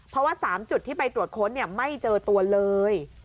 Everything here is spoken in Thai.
เพราะว่า๓จุดที่ไปตรวจค้นไม่เจอตัวเลย